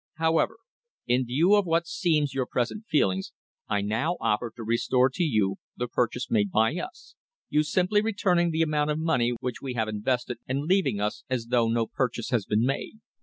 However, in view of what seems your present feelings, I now offer to restore to you the purchase made by us, you simply returning the amount of money which we have invested and leaving us as though no purchase had been made.